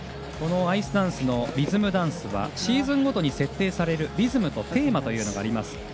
アイスダンスのリズムダンスはシーズンごとに設定されるリズムとテーマがあります。